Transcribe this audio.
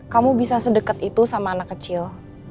kamu bisa sedekat itu sama anak kecil